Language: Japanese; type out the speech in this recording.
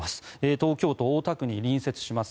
東京都大田区に隣接します